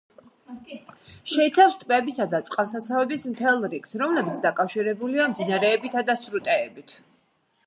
შეიცავს ტბებისა და წყალსაცავების მთელ რიგს, რომლებიც დაკავშირებულია მდინარეებითა და სრუტეებით.